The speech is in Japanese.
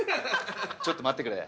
ちょっと待ってくれ。